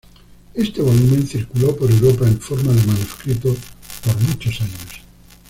Éste volumen circuló por Europa, en forma de manuscrito, por muchos años.